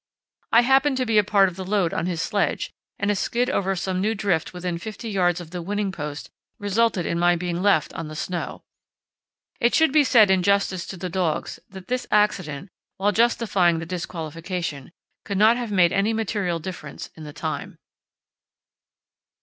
I happened to be a part of the load on his sledge, and a skid over some new drift within fifty yards of the winning post resulted in my being left on the snow. It should be said in justice to the dogs that this accident, while justifying the disqualification, could not have made any material difference in the time.